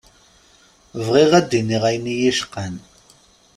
Bɣiɣ ad d-iniɣ ayen iyi-icqan.